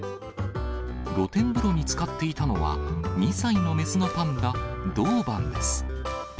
露天風呂につかっていたのは、２歳の雌のパンダ、ドウバンです。